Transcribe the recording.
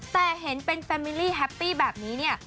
แต่เห็นเป็นแฟมิลลี่แฮปปี้แบบนี้เนี่ย